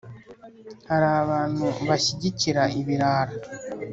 Hari abantu bashyigikira ibirara.